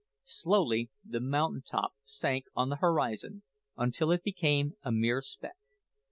Slowly the mountain top sank on the horizon until it became a mere speck.